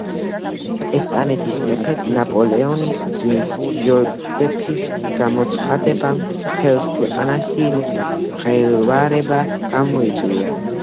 ესპანეთის მეფედ ნაპოლეონის ძმის, ჟოზეფის, გამოცხადებამ მთელს ქვეყანაში მღელვარება გამოიწვია.